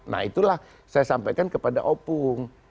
nah itulah saya sampaikan kepada opung